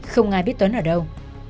không ai biết tuấn ở đâu